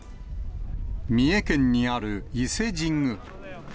三重県にある伊勢神宮。